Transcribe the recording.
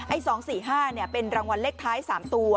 ไอ้สองสี่ห้าเนี้ยเป็นรางวัลเลขท้ายสามตัว